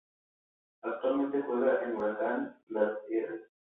Actualmente juega en Huracán Las Heras.